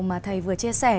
mà thầy vừa chia sẻ